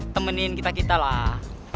temenin kita kita lah